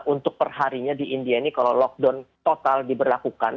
untuk perharinya di india ini kalau lockdown total diberlakukan